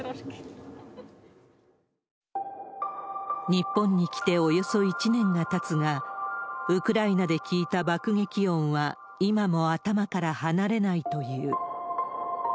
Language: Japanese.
日本に来ておよそ１年がたつが、ウクライナで聞いた爆撃音は、今も頭から離れないという。